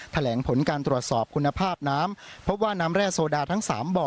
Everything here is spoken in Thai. แถลงผลการตรวจสอบคุณภาพน้ำพบว่าน้ำแร่โซดาทั้ง๓บ่อ